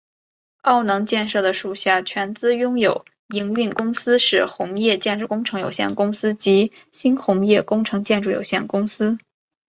澳能建设的属下全资拥有营运公司是鸿业建筑工程有限公司及新鸿业工程建筑有限公司。